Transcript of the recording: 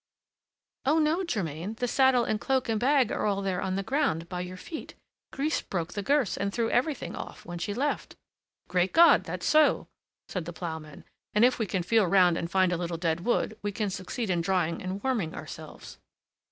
"Oh! no, Germain; the saddle and cloak and bag are all there on the ground, by your feet. Grise broke the girths and threw everything off when she left." "Great God, that's so!" said the ploughman; "and if we can feel round and find a little dead wood, we can succeed in drying and warming ourselves."